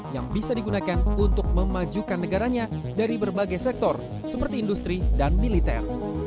yang bisa digunakan untuk memajukan negaranya dari berbagai sektor seperti industri dan militer